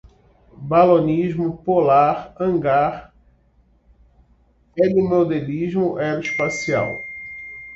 balonismo, polar, hangar, helimodelismo, aeroespacial